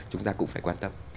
chúng ta cũng phải quan tâm